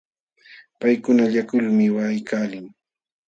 Paykuna llakulmi waqaykalin.